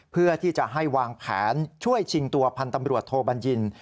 เพื่อที่จะให้วางแผนช่วยชิงตัวพันธ์ตำรวจโทบัญญิน